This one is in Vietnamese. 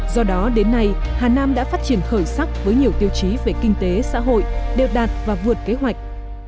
do đó đến nay hà nam đã phát triển khởi sắc với nhiều tiêu chí về kinh tế xã hội đều đạt và vượt kế hoạch